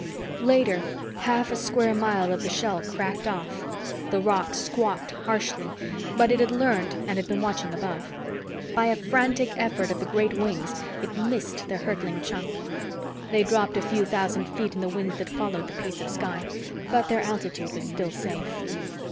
Later, half a square mile of the shell cracked off. The roc squawked harshly, but it had learned and had been watching above. By a frantic effort of the great wings, it missed the hurtling chunk. They dropped a few thousand feet in the winds that followed the piece of sky, but their altitude was still safe.